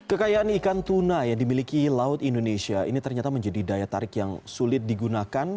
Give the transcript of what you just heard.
kekayaan ikan tuna yang dimiliki laut indonesia ini ternyata menjadi daya tarik yang sulit digunakan